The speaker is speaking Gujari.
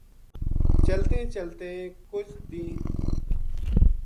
چلتیں چلتیں کجھ دیہنہ